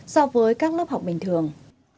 so với các lớp học bình thường